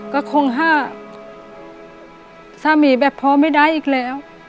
ก็คงห้าสามีแบบพอไม่ได้อีกแล้ว